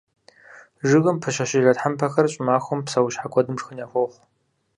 Жыгым пыщэщыжа тхьэмпэхэр щӀымахуэм псэущхьэ куэдым шхын яхуохъу.